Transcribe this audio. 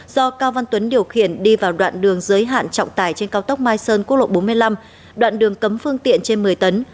do cao văn tuấn điều khiển đi vào đoạn đường giới hạn trọng tải trên cao tốc mai sơn quốc lộ bốn mươi năm đoạn đường cấm phương tiện trên một mươi tấn